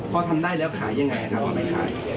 พอทำได้แล้วขายยังไงครับเราไม่ขาย